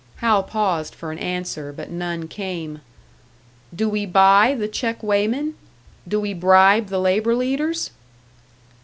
Hal paused for an answer, but none came. "Do we buy the check weighmen? Do we bribe the labour leaders?"